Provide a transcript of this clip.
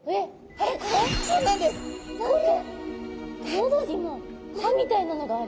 喉にも歯みたいなのがある？